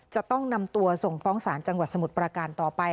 จะต้องนำตัวส่งฟ้องศาลจังหวัดสมุทรประการต่อไป